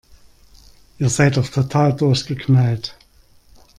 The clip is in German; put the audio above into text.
Ihr seid doch total durchgeknallt!